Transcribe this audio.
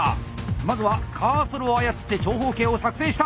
まずはカーソルを操って長方形を作成した！